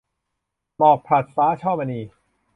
หมอกผลัดฟ้า - ช่อมณี